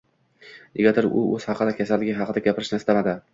Negadir u oʻzi haqida, kasalligi haqida gapirishni istamadi.